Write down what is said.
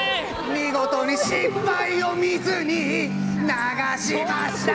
「見事に失敗を水に流しました」